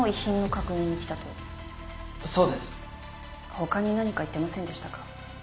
他に何か言ってませんでしたか？